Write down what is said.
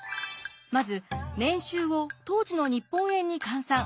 まず年収を当時の日本円に換算。